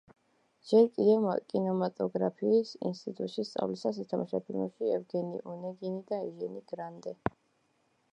ჯერ კიდევ კინემატოგრაფიის ინსტიტუტში სწავლისას ითამაშა ფილმებში: „ევგენი ონეგინი“ და „ეჟენი გრანდე“.